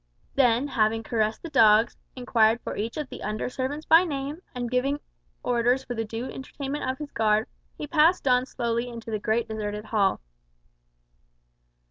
Then, having caressed the dogs, inquired for each of the under servants by name, and given orders for the due entertainment of his guard, he passed on slowly into the great deserted hall.